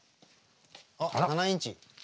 あっ７インチ。